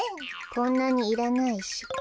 こんなにいらないし。